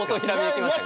きましたね。